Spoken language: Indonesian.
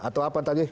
atau apa tadi